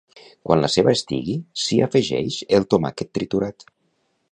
Quan la ceba estigui, s'hi afegeix el tomàquet triturat.